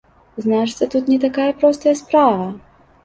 Значыцца, тут не такая простая справа!